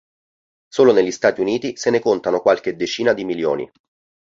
Solo negli Stati Uniti se ne contano qualche decina di milioni.